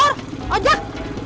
ya allah jak